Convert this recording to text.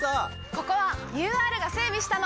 ここはＵＲが整備したの！